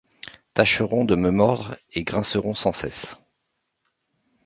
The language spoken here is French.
Tâcheront de me mordre-et grinceront sans cesse.